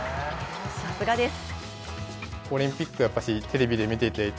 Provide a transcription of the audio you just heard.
さすがです。